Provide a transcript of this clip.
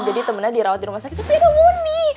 jadi temennya dirawat di rumah sakit tapi ada moni